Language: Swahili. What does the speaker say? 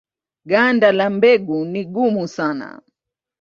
Ganda la mbegu ni gumu sana.